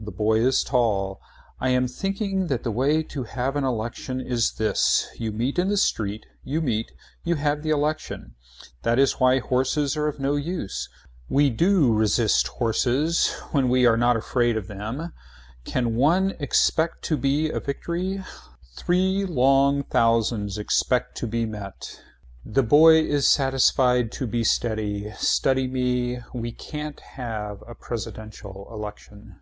The boy is tall. I am thinking that the way to have an election is this. You meet in the street. You meet. You have the election. That is why horses are of no use. We do resist horses when we are not afraid of them. Can one expect to be a victory. Three long thousands. Expect to be met. The boy is satisfied to be steady. Study me. Why can't we have a presidential election.